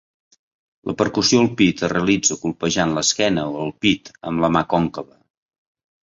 La percussió al pit es realitza copejant l'esquena o el pit amb la mà còncava.